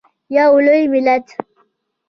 یو لوی ملت.